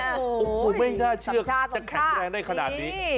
โอ้โหไม่น่าเชื่อจะแข็งแรงได้ขนาดนี้